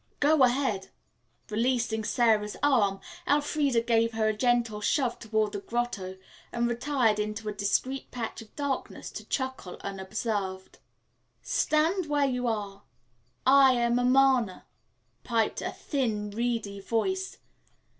"Go ahead." Releasing Sara's arm, Elfreda gave her a gentle shove toward the grotto and retired into a discreet patch of darkness to chuckle unobserved. "Stand where you are. I am Amarna," piped a thin, reedy voice.